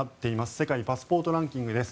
世界パスポートランキングです。